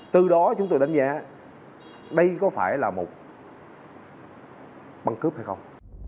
từ đó chúng tôi đánh giá đây có phải là một băng cướp hay không